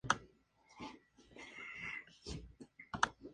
Las antenas son largas y con forma de látigo.